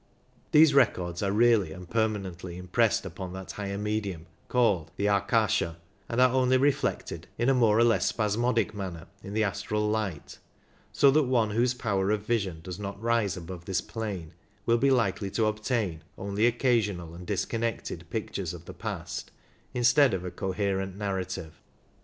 These records are really and permanently impressed upon that higher medium called the Akasha, and are only reflected in a more or less spasmodic manner in the astral light, so that one whose power of vision does not rise above this plane will be likely to obtain only occasional and disconnected pictures of the past instead of a coherent narrative.